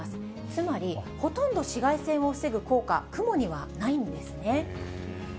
つまり、ほとんど紫外線を防ぐ効果、雲にはないんですね。